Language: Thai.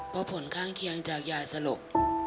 เพราะผลข้างเคียงจากยาสลบ